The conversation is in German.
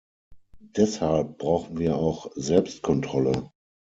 Deshalb brauchen wir auch Selbstkontrolle.